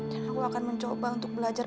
dan aku akan mencoba untuk belajar